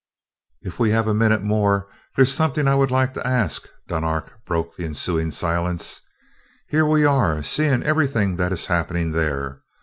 "If we have a minute more, there's something I would like to ask," Dunark broke the ensuing silence. "Here we are, seeing everything that is happening there.